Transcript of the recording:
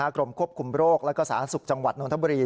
กรมควบคุมโรคแล้วก็สาธารณสุขจังหวัดนทบุรี